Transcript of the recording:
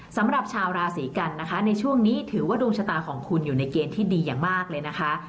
สำหรับชาวราศีกันนะคะในช่วงนี้ถือว่าดวงชะตาของคุณอยู่ในเกณฑ์ที่ดีอย่างมากเลยนะคะ